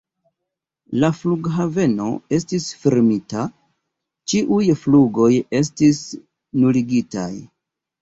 La flughaveno estis fermita, ĉiuj flugoj estis nuligitaj.